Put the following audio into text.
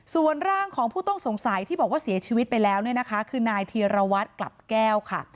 ส่วนร่างของผู้ต้องสงสัยที่บอกว่าเสียชีวิตไปแล้วเนี่ยนะคะคือนายธีรวัตรกลับแก้วค่ะ